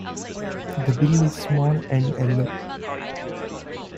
The bill is small and yellow.